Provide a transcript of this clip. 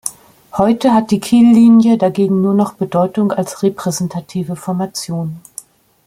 Heute hat die Kiellinie dagegen nur noch Bedeutung als repräsentative Formation.